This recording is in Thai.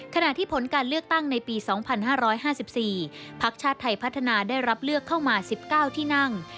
ขณะที่ผลการเลือกตั้งในปี๒๕๕๔พักชาติไทยพัฒนาได้รับเลือกเข้ามา๑๙ที่นั่ง